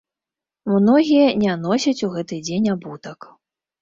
Многія не носяць у гэты дзень абутак.